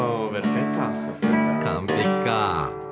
完璧か。